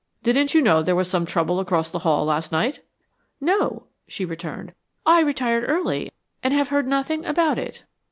"Didn't you know there was some trouble across the hall last night?" "No," she returned. "I retired early and have heard nothing about it."